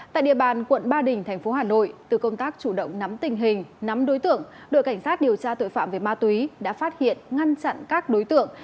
tại địa bàn quận ba đình thành phố hà nội từ công tác chủ động nắm tình hình nắm đối tượng đội cảnh sát điều tra tội phạm về ma túy đã phát hiện ngăn chặn các đối tượng